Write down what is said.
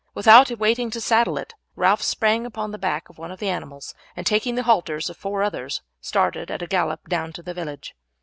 Without waiting to saddle it, Ralph sprang upon the back of one of the animals, and taking the halters of four others started at a gallop down to the village.